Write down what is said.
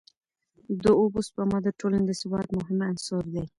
د اوبو سپما د ټولني د ثبات مهم عنصر دی.